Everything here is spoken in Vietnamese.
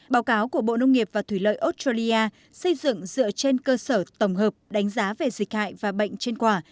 báo cáo của bộ nông nghiệp và thủy lợi australia xây dựng dựa trên cơ sở tổng hợp đánh giá về dịch hại và bệnh trên quả